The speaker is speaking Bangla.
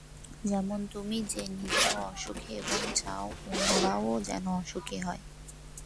যেমন তুমি যে নিজেও অসুখী এবং চাও অন্যরাও যেন অসুখী হয়।